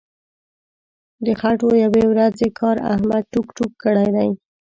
د خټو یوې ورځې کار احمد ټوک ټوک کړی دی.